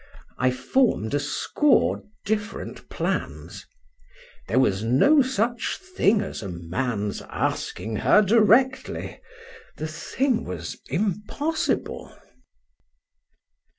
I form'd a score different plans.—There was no such thing as a man's asking her directly;—the thing was impossible.